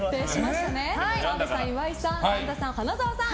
澤部さん、岩井さん神田さん、花澤さん